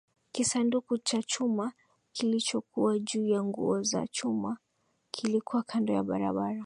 Kisanduku cha chuma kilichokuwa juu ya nguzo ya chuma kilikuwa kando ya barabara